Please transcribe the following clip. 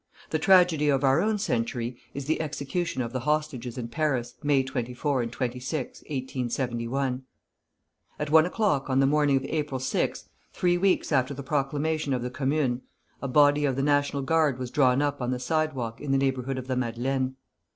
The tragedy of our own century is the execution of the hostages in Paris, May 24 and 26, 1871. At one o'clock on the morning of April 6, three weeks after the proclamation of the Commune, a body of the National Guard was drawn up on the sidewalk in the neighborhood of the Madeleine.